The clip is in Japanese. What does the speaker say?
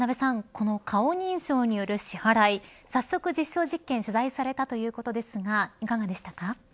この顔認証による支払い早速実証実験取材されたということですがいかがでしたか。